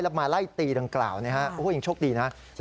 แล้วมาไล่ตีดังเกล่านะฮะว่าผู้หญิงโชคดีนะฮะ